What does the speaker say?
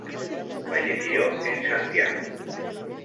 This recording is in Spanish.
Falleció en Santiago.